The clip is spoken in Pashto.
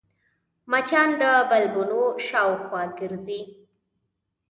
مچان د بلبونو شاوخوا ګرځي